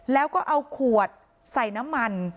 แล้วก็เอาขวดใส่น้ำมัน